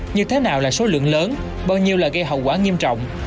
như thế nào là số lượng lớn bao nhiêu là gây hậu quả nghiêm trọng